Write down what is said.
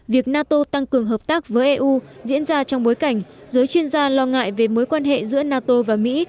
việc nato tăng cường hợp tác với eu diễn ra trong bối cảnh giới chuyên gia lo ngại về mối quan hệ giữa nato và mỹ